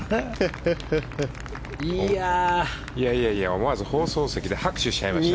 思わず放送席で拍手しちゃいました。